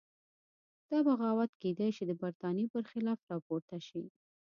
دا بغاوت کېدای شي د برتانیې په خلاف راپورته شي.